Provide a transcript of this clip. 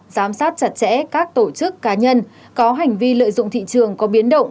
giám sát chặt chẽ các tổ chức cá nhân có hành vi lợi dụng thị trường có biến động